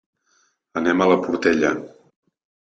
Anem a la Portella.